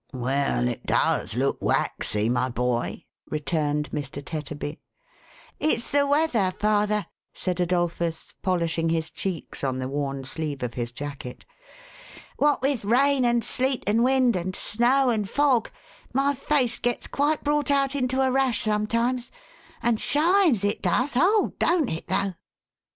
Well, it does look waxy, my boy," returned Mr. Tetterby. "It's the weather, father," said Adolphus, polishing his cheeks on the worn sleeve of his jacket. " What with rain, and sleet, and wind, and snow, and fog, my face gets quite brought out into a rash sometimes. And shines, it does— oh, don't it, though